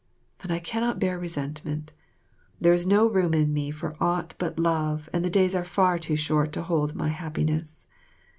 But I cannot bear resentment, there is no room in me for aught but love and the days are far too short to hold my happiness.